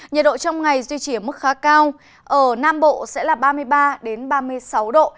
nhiệt độ trong ngày duy trì ở mức khá cao ở nam bộ sẽ là ba mươi ba ba mươi sáu độ